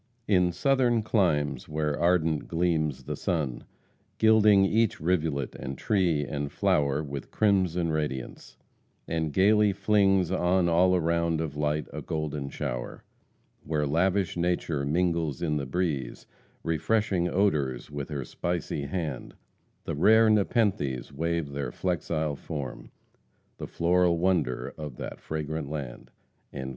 "In Southern climes where ardent gleams the sun, Gilding each rivulet, and tree, and flower, With crimson radiance and gaily flings On all around of light a golden shower Where lavish nature mingles in the breeze, Refreshing odors with her spicy hand; The rare Nepenthes wave their flexile form, The floral wonder of that fragrant land."